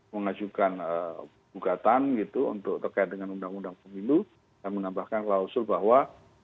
mengajukan bukatan gitu untuk terkait dengan undang undang pemilu dan menambahkan klausul bahwa